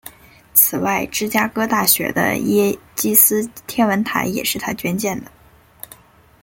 此外芝加哥大学的耶基斯天文台也是他捐建的。